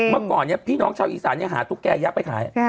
เมื่อก่อนเนี่ยพี่น้องชาวอีสานหาตุ๊กแก่ยักษ์ไปขาย